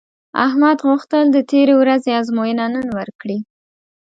احمد غوښتل د تېرې ورځې ازموینه نن ورکړي